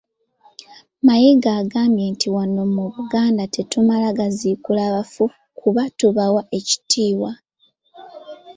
Mayiga agambye niti wano mu Buganda tetumala gaziikula bafu kuba tubawa ekitiibwa.